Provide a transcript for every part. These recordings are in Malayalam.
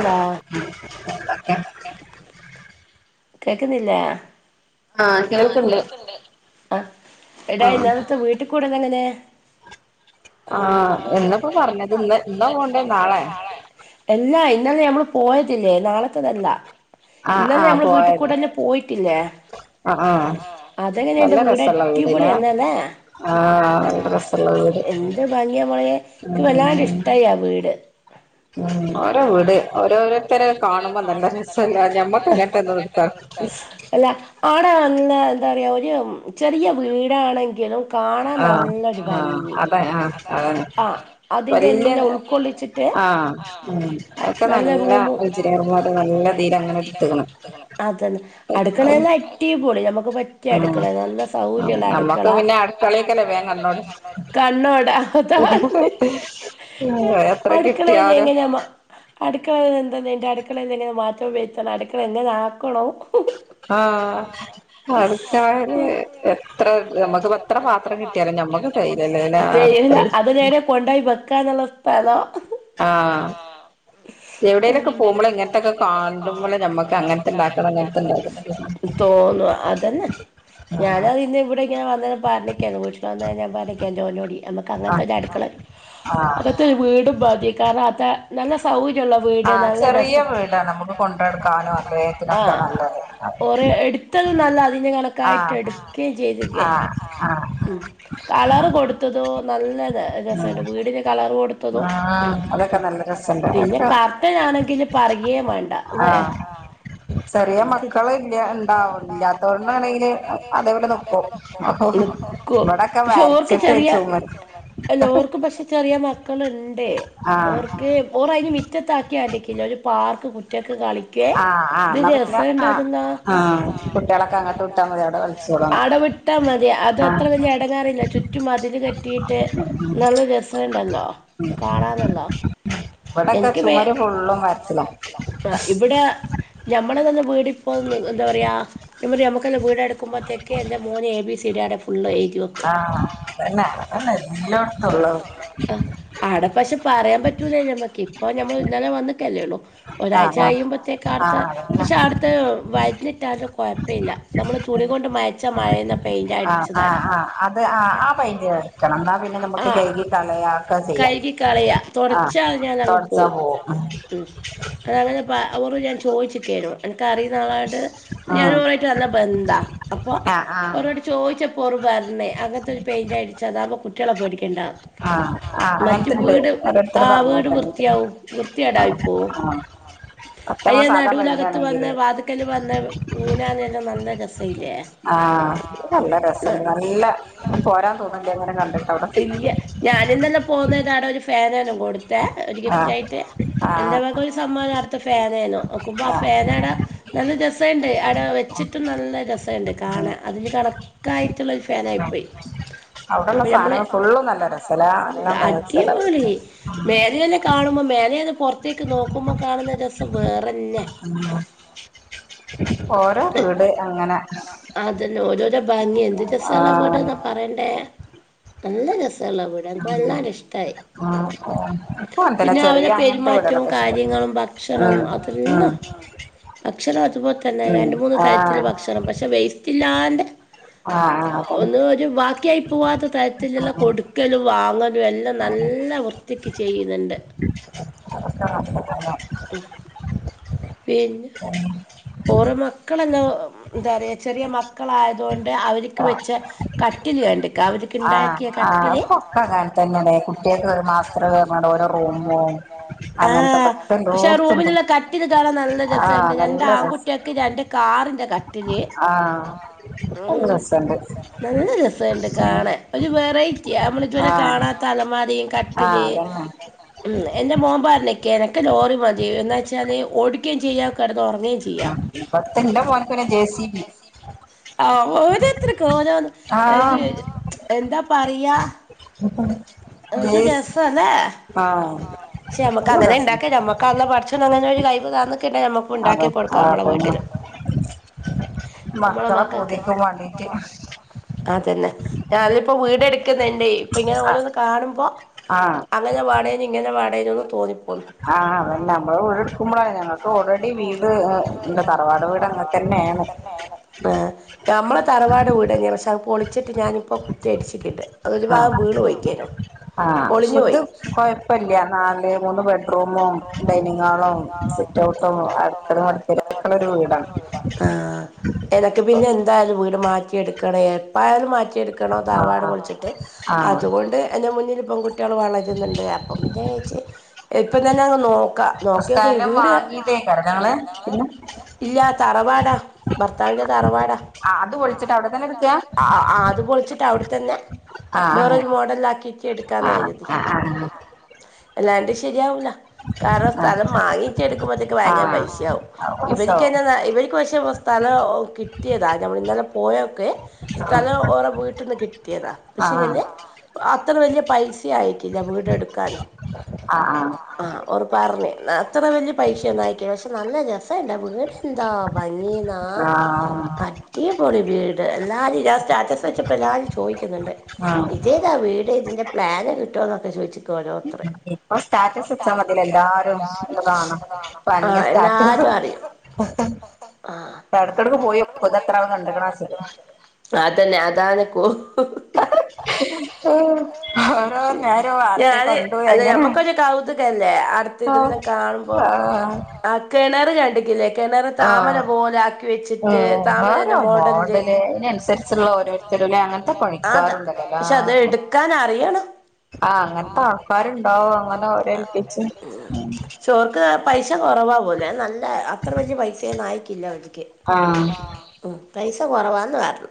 ല്ലാ ഉക്കെ [unintelligible] കേൾ ക്ന്നില്ലേ ആ കേൾക്ക്ണ്ട് കേൾക്കുണ്ട് ആഎടാ ആഹ് ഇന്നലത്തെ വീട്ടികൂടലെങ്ങനെ ആ എന്നാപ്പോ പറഞ്ഞത് ഇന്ന ഇന്നാ പോണ്ടേ നാളെ എല്ലാ ഇന്നലെ നഞമ്മള് പോയതില്ലേ നാളത്തതല്ല ആഹ് ഇന്നന്നെ നമ്മള് വീട്ടിൽ കൂടലിന് പോയിട്ടില്ലേ അ ആ നല്ല അതെങ്ങനെയുണ്ട് വീട് രസള്ള വീടല്ലേ അടിപൊളിയന്നല്ലേ ആ നല്ല രസള്ള വീട് എന്ത് ഭംഗിയാ മോളെ എനിക്ക് വല്ലാണ്ട് ഉം ഇഷ്ടായി ആ വീട് ഉം ഓരോ വീട് ഓരോരുത്തരെ കാണുമ്പോ നല്ല രസല്ലെ ഞമ്മക്ക് അങ്ങനത്തെ ഒന്നും അല്ല ആട നല്ല എന്താ പറയാ ഒരു ചെറിയ വീടാണെങ്കിലും കാണാൻ ആ നല്ലൊരു ആ ഭംഗി അത ആ അതെ ആ അതിന്റെ വല്യ എല്ലാം ഉൾക്കൊള്ളിച്ചിട്ട് ആ ഉം അതൊക്കെ നല്ല എഞ്ചിനീയർമാരൊക്കെ നല്ല രീതിയിൽ അങ്ങനെ എടുത്ത്ണ് അതന്നെ അടുക്കളെല്ലാം അടിപൊളി നമുക്ക് പറ്റിയ ഉം അടുക്ക നല്ല സൗകര്യള്ള നമ്മക്ക് അടുക്കള പിന്നെ അടുക്കളേക്കല്ലേ വേഗം കണ്ണോട് കണ്ണോടാ അതാണ് എത്ര അടുക്കളെ കിട്ടിയാലും ലെങ്ങനെയാ മ അടുക്കളയില് എന്താതിന്റെ അടുക്കളയില് എങ്ങനെ മാറ്റം വരുത്തണം അടുക്കള എങ്ങനെ ആക്കണം ആ അടുക്കളേല് എത്ര നമുക്ക് എത്ര പാത്രം കിട്ടിയാലും ഞമ്മക്ക് തെകയൂലല്ലോ എല്ലാ തെരില്ല അടുക്കളിആർത്തി അത് നേരെ കൊണ്ടോയി വെക്കാന്ള്ള സ്ഥലോ ആ എവിടേങ്കിലൊ കക്കെ പോകുമ്പോൾ ഇങ്ങനന്നെ ക്കെ കാണുമ്പോളെ നമ്മുക്ക് അങ്ങനത്തെ ഉണ്ടാക്കണം ഇങ്ങനത്തെ ഉണ്ടാക്കും തോന്നും അതന്നെ ഞാന ആഹ് പിന്നെ ഇവിടെ ഞാൻ വന്ന് പറഞ്ഞിക്കവീട്ട്ല് വന്ന ഞാൻ പറഞ്ഞിക്കാ ജോലി നമുക്ക് അങ്ങനത്തെ ആഹ് ഒര്അടുക്കള ആഹ് അങ്ങനെത്തെ ഒരുവീടും മതി കാരണം അങ്ങനത്തെ നല്ല സൗകര്യള്ള വീട് ആഹ് നല്ല ചെറിയ രസള്ള വീടാണ് നമുക്ക് കൊണ്ടടക്കാനും അല്ലേ ആ ഇതിനൊക്കെ നല്ലത് എടുത്തത് നല്ല അതിന് കണക്കായിട്ട് ആഹ് എടുക്കേം ചെയ്ത്ക്ക് ആഹ് ആഹ് കളറ്കൊടുത്തതോ നല്ല ഉം രസണ്ട് വീടിന് കളർ കൊടു ത്തതും ആഹ് അതൊക്കെ നല്ല രസണ്ട് പിന്നെ അതൊക്കെ കർട്ടനാണെങ്കി പറയും വേണ്ട ലേ ആഹ് ചെറിയ മക്കൾ ഇല്ല ഇണ്ടാവില്ലാത്തോണ്ടാണെങ്കില് അതേപോലെ നിക്കും നിക്കോ ഇവിടെക്കെ പക്ഷെ ഓർക്ക് വരച്ചിട്ട് ചെറിയ ചുമര് അല്ല ഓർക്ക് പക്ഷെ ചെറിയ മക്കളുണ്ട് ആഹ് ഓർക്ക് ഓർ അയിന് മുറ്റത്ത് ആക്കിയത് കണ്ട്കില്ലേ ഒരു പാർക്ക്‌ കുട്ട്യാൾക് കളി ക്കാൻ ആഹ് ആഹ് എന്നാ എന്ത് പിന്നെ ആഹ് രസണ്ടതൂന്നാ ആഹ് കുട്ടികളൊക്കെ അങ്ങോട്ട് വിട്ടാ മതി അവിടെ കളിച്ചോളും അവിടെ വിട്ടാ മതി ആഹ് അതത്ര വല്യ എടങ്ങാറില്ല ചു റ്റും മതില് കെട്ടിയിട്ട് നല്ല രസുണ്ടല്ലോ കാണാനല്ലോ ഇവിടൊക്കെ ചുമര് ഫുള്ളും വരച്ചിട്ടാ ആ ഇവിടെ ഞമ്മള് നിന്ന വീടിപ്പോന്ന് എന്താ പറയാ ഞാൻ പറഞ്ഞു ഞമ്മക്കെല്ലാ വീട് എടുക്കുമ്പൾത്തേക്ക് എന്റെ മോൻ എ ബി സി ഡി ആടെ ആ അതന്നെ അതന്നെ എല്ലോടുത്തുള്ളത് ആ ആടെ പക്ഷെ പറയാൻ പറ്റൂല നമ്മക്ക് ഇപ്പൊ നമ്മൾ ഇന്നലെ വന്ന് ല്ലേള്ളൂ ഒരാഴ്ച ആഹ് ആഹ് കയുമ്പോത്തേക്കടുത്ത ആഹ് പക്ഷെ അതന്നെ അടുത്ത് എഴുതീട്ടാലും കുഴപ്പമില്ല നമ്മള് തുണി കൊണ്ട് മായ്ച്ച മായുന്ന പെയിന്റാ ആഹ് അടിച്ചത് ആഹ് അവിടെ ആഹ് അത് ആഹ് ആ പൈന്റ് കൊടുക്കണം എന്നാ പിന്നെ നമുക്ക് കഴുകി കളയൊക്കെ ചെയ്യാം കഴുകി കളയ ആ തുടച്ചാൽ ഞാൻ അങ്ങ് പോവും ഉം [unintelligible] അതങ്ങനെ പ ഓറോട് ഞാൻ ചോയിച്ചിക്കേനു എനക്ക് അറിയുന്ന ആളായോണ്ട് ഞാനു ഉം ഓറുവായിട്ട് നല്ല ബന്ധാ അപ്പൊ ആഹ് ആഹ് ഓറോട് ചോദിച്ചപ്പോറ് പറഞ്ഞ് അങ്ങൻത്തെ പെയിന്റ് അടിച്ചതാവുമ്പോ കുട്ടികളെ പേടിക്കണ്ടാ ആഹ് ആഹ് മറ്റ് അങ്ങനത്തെണ്ട് വീട് ഓരോരുത്തര് ആഹ് വീട് പറഞ്ഞേക്ക അങ്ങനത്തെ വൃത്തിയാവും വൃത്തികേടായിപ്പോവും ആഹ് ആഹ് മറ്റമ്മ അയ്യെ സാധാ നടുവിലകത്ത് വന്ന പെയിന്റാണെങ്കില് വാത്ക്കല് വന്ന ഊഞ്ഞാലെയെല്ലം നല്ല രസയില്ലേ ആഹ് നല്ല രസണ്ട് നല്ല പോരാൻ തോന്നുന്നില്ല ഇങ്ങനെ കണ്ടിട്ട് അവടെ ഞാനിന്നെല്ലാം പോന്നേരം ഒരു ഫാനേനു കൊടുത്തേ ഒരു ആഹ് ഗിഫ്റ്റായിട്ട് എന്റെ ആഹ് വക ഒരു സമ്മാനം ആടത്തെ ഫാൻ ആനു നോക്കുമ്പ ആ ആഹ് ഫാനാടെ നല്ല രസ ണ്ട് ആടെ വെച്ചിട്ടും നല്ല രസണ്ട് ഉം കാണാൻ അതിന് കണക്കായിറ്റ്ള്ള ഒരു ആഹ് ഫാനായിപ്പോയി അവിടെള്ള സാധനങ്ങൾ ഫുള്ളും നല്ല രസാലേ നല്ല മേച്ച്ലെ മേലെന്നെന്ന് കാണുമ്പോ മേലേന്ന് പൊറത്തേക്ക് നോക്കുമ്പോ കാണ്ന്ന രസം വേറെന്നെ ഉം ഓരോ വീട് അങ്ങനെ അതന്നെ ഓരോരോ ഭംഗി എന്ത് രസള്ള ആഹ് വീട്ന്നാ പറയണ്ടേ നല്ല രസള്ള വീട് എൻക്ക് ഉം വല്ലാണ്ട്ഷ്ട്ടായി ഉം ഇക്കും അങ്ങൻതന്നെ പിന്നെ അവരെ ചെറിയ അങ്ങനത്തെ പെരുമാറ്റ് റ്റോം വീടുകളൊക്കെ ഇഷ്ടം കാര്യങ്ങളും ഭക്ഷണോം ആഹ് ആഹ് അതെല്ലം ഭക്ഷണം അതുപോൽ തന്നെ ഏഹ് രണ്ട് മൂന്ന് തരത്തില് ആഹ് ഭക്ഷണം പക്ഷെ വേസ്റ്റ് ഇല്ലാണ്ടെ ആഹ് ഒന്നു ഒരു ബാക്കിയായി പൂവാത്ത ആഹ് തരത്തിലില്ലെ അതന്നെ ആഹ് കൊട് ക്കലും വാങ്ങലും എല്ലം നല്ല വൃത്തിക്ക് ചെയ്യുന്നുണ്ട് [inaudible] പിന്നാ ഉം ഓറെ മക്കളെല്ലാം ന്താറയാ ചെറിയ മക്കളായതോണ്ട് അവര്ക്ക് ആഹ് വെച്ച കട്ടില് കണ്ട്ക്കാ അവര്ക്ക്ണ്ടാക്കിയ കട്ടില് തെന്നെലെ കുട്ട്യേക്ക് ഒര് [unintelligible] ഓരോ റൂമും അങ്ങൻതൊക്കെ ആഹ് പക്ഷെ ആ റൂമിലുള്ള കട്ടില്കാണാൻ നല്ല ആഹ് രസണ്ട് രണ്ടാ നല്ല രസ കുട്ട്യാക്ക് രണ്ട് കാറിന്റെ കട്ടില് ആഹ് നല്ല രസണ്ട് രസണ്ട് നല്ല രസണ്ട് ഉം കാണാൻ ഒരു വെറൈറ്റിയാ അമ്മളിതുവരെ ആഹ് കാണാത്ത അലമാരിം ആഹ് കട്ടില് അതന്നെ ഉം എന്റെ മോമ്പാർഞ്ഞിക്ക് എനക്ക് ലോറി മതി എന്നാച്ചാല് ഓടിക്കേം ചെയ്യാ കെടന്നൊർങ്ങേ ഉം പ്പത്തെന്റെ മോൻക്കൊരു ജേസി ജെ സി ബി ആഹ് ഓരോത്തൊര്ക്കോരോന്ന് ഒരു ആഹ് ഒര് എന്താ പറിയാ ജേസ് ആഹ് ക്ഷേ നല്ല രസാ ഞമ്മക്കങ്ങനെണ്ടാക്കാ ഞമ്മക്കള്ളാ പടച്ചോൻ അങ്ങനൊരു കയിവ് തന്ന്ക്ക്ണ്ടെങ്കി ഞമ്മക്കുണ്ടാക്കി കൊട് ആഹ് അതന്നെ നമ്മളെ മക്കളെ മക്കൾക്ക് പൂതിക്കും വാണ്ടീട്ട് അതന്നെ ഞാളിപ്പോ വീടെടുക്കുന്ന്ണ്ടെ ഇപ്പ ഇങ്ങനെ ആഹ് ഓരോന്ന് കാണുമ്പോ അ ങ്ങനെ വാണേനും ഇങ്ങനെ വാണേനൂന്ന് തോന്നിപ്പോന്ന് ആഹ് ആഹ് അതല്ല അമ്മള് വീട് എട്ക്കുമ്പളാ ഞങ്ങക്ക് ഓൾറെഡി വീട് ഏഹ് ണ്ട് തറവാട് വീട് അങ്ങൻത്തെന്നേണ് ആഹ് ഞമ്മളെ തറവാട് വീടെന്നയാ പക്ഷേ അത് പൊളിച്ചിറ്റ് ഞാനിപ്പോ കുറ്റി അടിച്ചിട്ടിണ്ട് അത് ഒര് ആഹ് രുഭാഗം വീണ് പോയിക്കേയ്നു പൊളിഞ്ഞു പോയി പ്പല്ല്യ നാല് മൂന്ന് ബെഡ്റൂമും ഡൈനിങ്ങാളും സിറ്റൗട്ടും അടുക്കളെ [unintelligible] ആഹ് എനക്ക് പിന്നെ എന്ത ന്തായാലും വീട് മാറ്റിയെടുക്കണേ എപ്പായാലും മാറ്റിയെ ക്കിയെടുക്കാണോ ആഹ് തറവാട് പൊൾച്ചിട്ട് ആഹ് ആഹ് അുകൊണ്ട് എന്റെ മുന്നില് പെൺകുട്ടി ട്ട്യാള് വളര്ന്നുണ്ട് അപ്പം പിന്നെ വിരിച്ചി ഇപ്പം തന്നങ്ങ് നോക്കാ നോക്കിയക്കെ സ്ഥലം വീട് [inaudible] ഇല്ലാ തറവാടാ ഭർത്താവിന്റെ തറവാ ആഹ് അത് പൊൾച്ച്ട്ടവ്ടെ തന്നെട്ക്കാ ആഹ് അത് പൊൾച്ച്ട്ട് അവ്ടെ തന്നെ ആഹ് അങ്ങനെ ബേറൊര് മോഡല്ലാക്കീട്ട് ഇട്ക്കാന്ന് ആഹ് കരുതി. ആഹ് ആഹ് അല്ലാണ്ട് ശരിയാവൂല്ല കാർണം ആഹ് സ്ഥലം മാങ്ങിച്ചെട്ക്കുമ്പോത്തേക്ക് ഭയങ്കര ആഹ് പൈസയാവും. ഇവര്ക്ക് പശേ സ്ഥലോം കിട്ടിയതാ നമ്മളിങ്ങനെ പോയോക്കുവേ ആഹ് സ്ഥലം ഓരെ വീട്ടിന്ന് കിട്ടിയതാ ആഹ് ആഹ് പക്ഷെല്ലെ അത്ര വല്യ പൈസ സ്യായിറ്റില്ല വീട് എടുക്കാന് ആഹ് ആഹ് ഓര് പർഞ് ന്നാ അത്ര വല്യ പൈസ്യൊന്നായ്ക്കില്ല പക്ഷെ നല്ല രസ വീട്ന്താ ഭംഗീന്നാ ആഹ് ആഹ് ആഹ് ടിപൊളി വീട് എല്ലാരും ഞാൻ സ്റ്റാറ്റസെച്ചപ്പോ എല്ലാരും ചോയ്ക്കുന്നുണ്ട് ആഹ് ഇതേ താ വീട് തിന്റെ പ്ലാന് കിട്ടോന്നൊക്കെ ചോയ്ച്ച് ഇപ്പൊ സ്റ്റാറ്റസ് വച്ചാൽ മതില്ല എല്ലാരും ഇത് കാണാം അനങൃ ആഹ് സ്റ്റാറ്റസ് എല്ലാരും അറിയും ആഹ് അപ്പം ഇടക്കിടക്ക് പോയി നോക്കും ഇത് എത്ര ആള് കണ്ട്ക്ക്ണചിട്. അതന്നെ അതനെക്കൊ [inaudible] ഓരോ നേരവും ആരൊക്കെ ഞാന് കൊണ്ടു അല്ല എങ്ങനെ നമ്മക്കൊരു കൗതുകല്ലേ അടുത്ത ആഹ ആഹ കിണർ കണ്ടിക്കിലേ ആ ഉ ഓരോ താമരന്റെ മോഡലില് മോടലതിനനുസരിച്ചുള്ള ഓരോ ചെലോല് അങ്ങനതെ അതാ പണിക്കാരുംഉണ്ടല്ലോ ല്ലാ പക്ഷെ അത് എടുക്കാൻ അറിയണം ആഹ അങ്ങനത്തെ ആൾക്കാരുണ്ടാവും അങ്ങനെ ഓരോ എൽപിച്ച്. അവർക്ക് പൈസ കുറവാ വോലെ നല്ല അത്ര വലിയ പൈസയന്ന് അയിടില്ല അവർക്ക്. ആഹ് പൈസ കൊറവാന്ന് പറഞ്ഞു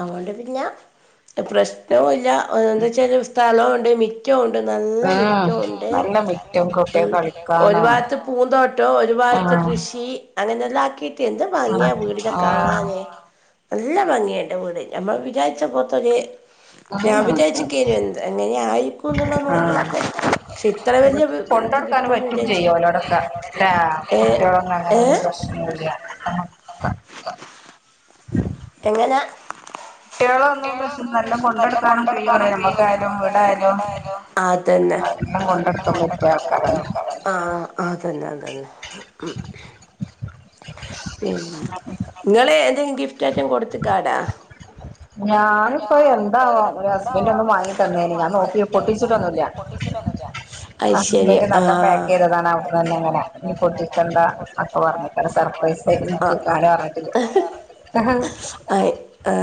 അതുകൊണ്ട് പിന്നെ പ്രശ്നവും ഇല്ല എന്താ വച്ചാല് സ്ഥലവുണ്ട് മി മിറ്റഉണ്ട് നല്ല ഉം മിറ്റവും ഉണ്ട് നല്ല മിറ്റും ഉ കുട്ടികൾക്ക് ഒരു കളിക്കാനും ഭാത്ത് പൂന്തോട്ടം ഒരു ഭാഗത്ത് കൃഷി ആഹ് ക്ഷി അങ്ങനെല്ലാം ആക്കിട്ട് എന്ത് ഭംഗിയാ ആഹ് വീടിനെ ആഹ് കാണാന്. നല്ല ഭംഗിയ എന്റെ വീട് നമ്മൾ വിചാരിച്ച പോൽത്തനെ രാവിലെ അങ്ങനാണ് വിചാരിച്ചിക്കനന്ത്. എങ്ങനെആയിരിക്കും എന്നുള്ള നോക്ക്. പക്ഷെ ഇത്ര വലിയ ഇത് കൊണ്ടടക്കാൻ കിട്ടുംന്ന് പറ്റും വിചാരിച്ച ഏ ഇവിടെ ഏ അങ്ങനെരു പ്രശ്നുല്ല. [inaudible] എങ്ങനെ കുട്ടികളൊന്നും പ്രശ നല്ല കൊണ്ടെടക്കാനും കെ പറ നമ്മുക്കായാലും വീടായാലോ അതന്നെ നല്ലം കൊണ്ടടക്കാൻ പറ്റിയ ആൾക്കാരാണ്. ആഹ അതന്നെ അതുന്നെ ഉ പിന്നെ നിങ്ങള് എന്തെങ്കിലും ഗിഫ്റ്റ് യിട്ടും കൊടുത്തക്കാടാ ഞാനിപ്പോ എന്താവോ ഒരു ഹസ്ബൻഡ് എന്താവും ഒന്നും വാങ്ങി ഹസ്ബൻഡ് ഒന്ന് തന്നേന് ഞാൻ വാങ്ങി നോക്കി തന്നിരുന് ഞാൻ പൊട്ടിച്ചിട്ടൊന്നുല്ല നോകി പൊട്ടിച്ചിട്ടന്നില്ല ഹസ്ബൻഡ് നല്ല പാക്ക് ചെയ്തതാണ് അവിടുന്ന് തന്നെ അങ്ങനെ പൊട്ടിച്ചന്താ അപ്പൊ പറഞ്ഞിട്ട സർപ്രൈസ ആയി്ട്ടാനെ ആരുംപറഞ്ഞട്ടല്ലോ [unintelligible] ആ ആഹ ആ ആ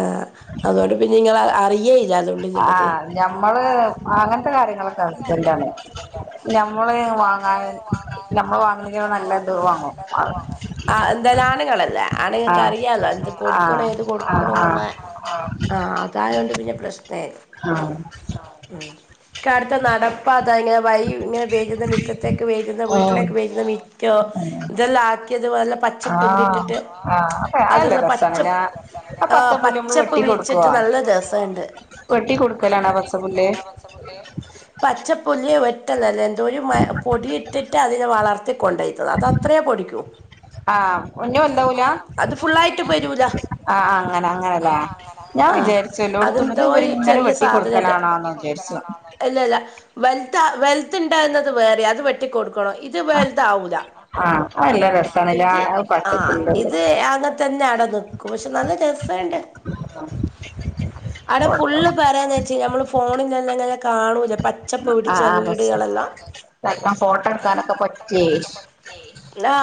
അതുകൊണ്ട് പിന്നെ നിങ്ങ അറിയേ ഇല്ല അതുള്ളി ല് ആ ഞമ്മള് അങ്ങനത്തെ കാര്യങ്ങളൊക്കെ അർജൻ്റാണ് ഞമ്മള് വാങ്ങാന് നമ്മ വാങ്ണി യങ്കി നല്ലന്തൂ വാങ്ങും ആഹ എന്തായാലും ആണുങ്ങളല്ലേ ആണുങ്ങൾക്ക് ആഹ് അറിയാാലോ എന്ത് കൊടു ക്ക ആഹ് ഏത് ആഹ് കൊടുക്കണം ആഹ് എന്നുള്ള ആ അതായൊണ്ട് പിന്നെ പ്രശ്നരുന്നു ആഹ ഇക്കാലത്തെ നടപ്പതാ ഞാം വൈ ഇങ്ങനെ വെരുന്നമിറ്റത്തേക്ക് വെരുന്ന വീട്ടിലേക്ക് വെരുന്ന മിറ്റംഇതെല്ല തു വല്ല പ ആഹ ആഹ അപ്പ ആല്ലേ പച്ച റസണന ആ പച്ചപ്പുല്ല് നമ്മള് പച്ചപ്പ് വെട്ടി കൊടുക്കോ വിരിച്ചിട്ട് നല്ല രസണ്ട് വെട്ടി കൊടുക്കലാണോ ആ പച്ച പുുല്ല് പച്ച പുല്ല് വെ എല്ലാല്ല എന്തോ പൊടി ഇട്ടിട്ട് അതിനെ വളർത്തി കൊണ്ടോയ്ക്ക്ണ് അത് അത്രയേ പൊടിക്കൂ ആഹ ഒന്നേ കൊണ്ടോവു ആ ഹ അത് ഫുുള്ളായിട്ട് വരൂല ആ ഹ അങ്ങനെന അങ്ങനെയല്ലേ ഞാൻ ആ വിചാരിച്ചു എല്ലോടത്തുള്ളത് അതെന്തോ ഒരു ഇവരിങ്ങനെ വെട്ടിൊടുക്കലാണോന്ന് വിചാരിച്ചു എല്ലാല്ല വലതലുത്ത്ണ്ടാവുന്നത് വേറെ അത് വെട്ടി കൊടുക്കണോ ഇത് ആ വലുതാ വൂല ആഹ് അത് നല്ല രസാണ്ല്ലേ ഇത് അത് ആ ഹ പച്ചക്കറികളുടെ ഇത് അങ്ങനെത്തന്നെ അടെ നിക്കും പക്ഷെ നല്ല രസണ്ട് അവിടെ ഫോട്ടോ ഫുള്ള് പറ ചെച്ച നമ്മള് ഫോണിൽല്ലാംങ്ങെ കാണൂല്ല പ - ആഹ ആഹ പ സെ ഫോട്ടോ എടുക്കാനൊക്കെ പറ്റ്യാ ന്നാ?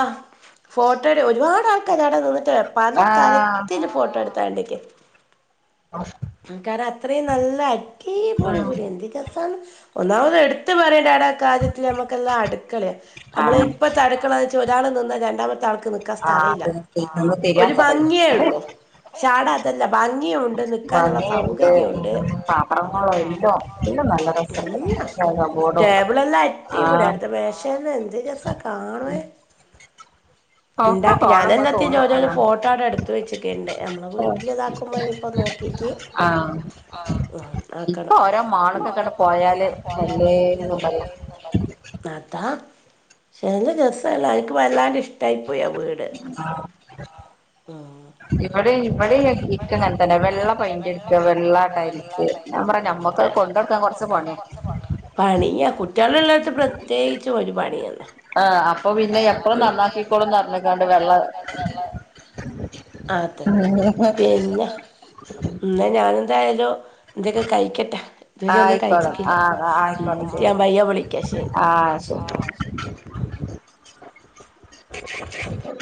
ഫോട്ട ഒരുപാട് ആൾക്കാരവിടെ നിന്നിട്ടെ പലതര ആഹ് ഫോട്ടോ എടുത്താണ്ടേക്ക് ഉം കാരണം അത്രയും നല്ല അടിപൊടി പുല്ല് എന്ത് രസാണ് ഒന്നാമത് എടുത്തു പറയേണ്ട ആടാ കാര്യത്തില്ൽ നമ്മുക്കെല്ലാം അടുക്കളയ നമ്മള് ആഹ് ഇപ്പത്തെ അടുക്കള ത് ഒരാൾ നിന്നാ രണ്ടാമത്തെ ആൾക്ക് നൽക്കാൻ ആഹ് സ്ഥലമില്ല അത് തിന്ന് ഒരു തിരിയാത്തതല്ലേ ഭംഗിയുള്ളു ചാട അതല്ല ഭംഗിയുണ്ട് നിക്കാനുള്ള ഭംഗിയുണ്ട് ഉം സൗകര്യുണ്ട് പാത്രങ്ങളും എല്ലോം എല്ലോം നല്ല രസണ്ട് എല്ലാ പക്ഷെ കബോർഡും ടേബിളല്ലാം അടിപൊളിയ ആഹ് അടുത്ത മേശന്ന് എന്ത് രസാ കാണാന് ഒക്കെ ഉണ്ടാക്കി കാണുമ്പോ ഞാനെല്ലാത്തിൻ്റെ തോന്നും ഒരോരോ അങ്ങനെ ഫോട്ടോടെ എടുത്ത് ക്കണ്ട് നമ്മെ വീട്ടില ഇതാക്കുമ്പോപ്പോ നോക്കിട്ട് ആഹ് ആഹ ഇപ്പൊ ഓരോ മാളക്കെ ക്കെ ആണ്ട് പോയാല് എല്ലേതും പറയാ അതാ നല്ല രസള്ള എനിക്ക് വല്ലാതെ ഇഷ്ടായി പോയി ആ വീട് ഇവിടെ ഇവി ഈ കിച്ചണ്അങ്ങനെ തന്നെ വെള്ള പയിൻ്റ് അടിക്ക വെള്ള ടൈൽസ് ഞാ പറിയ നമ്മുക്ക്ത് കൊണ്ട് ടക്കാൻ കുറച്ച് പണിയ പണിയ കുട്ട്യാള് ഉള്ളോട്ത്ത് പ്രത്യേകിച്ചും ഒരു പണിയ ആഹ അപ്പൊ പിന്നെ എപ്പഴ നന്നാക്കിക്കോളുംന്ന്ഞ്ഞക്കാണ്ട് വെള്ള അതന്നെ ഉം പിന്നെ ഇന്ന ഞാന എന്തായാലും എന്തൊക്കെ കഴിക്കട്ടെ ഇതുവരെ ഒന്നും ആയിക്കോളും കഴിച്ചിക്കില്ല ആഹ് ആയിക്കോട്ടെ ശരി ഞാൻ പയ്യ വിളിക്ക ശരി ആഹ് ശരി